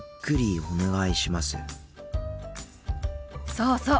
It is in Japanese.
そうそう。